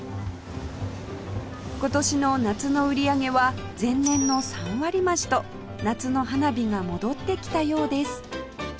今年の夏の売り上げは前年の３割増しと夏の花火が戻ってきたようです